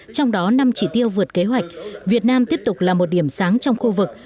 trong đó năm chỉ tiêu vượt kế hoạch việt nam tiếp tục là một điểm sáng trong khu vực